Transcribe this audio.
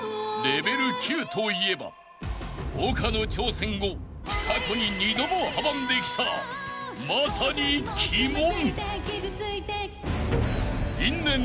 レベル９といえば丘の挑戦を過去に２度も阻んできたまさに鬼門］